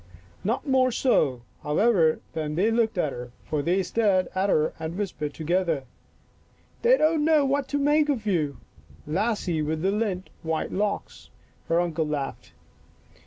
Not more so, however, than they looked at her, for they stared at her and whispered together. " They don't know what to make of you, 1 Lassie with the lint white locks,' " her uncle laughed.